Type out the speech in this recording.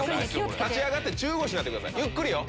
立ち上がって中腰になってくださいゆっくり。